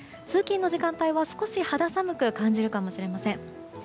通勤の時間帯は少し肌寒く感じるかもしれません。